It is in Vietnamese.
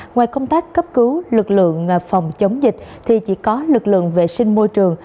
ngoài công tác cấp cứu lực lượng phòng chống dịch thì chỉ có lực lượng vệ sinh môi trường